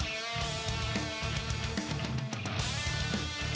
ตีอัดเข้าไปสองที